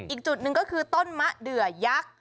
อีกจุดหนึ่งก็คือต้นมะเดือยักษ์